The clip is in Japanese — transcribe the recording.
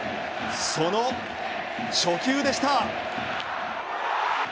その初球でした。